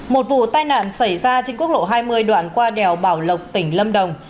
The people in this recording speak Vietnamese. một vụ tai nạn xảy ra trên quốc lộ hai mươi đoạn qua đèo bảo lộc tỉnh lâm đồng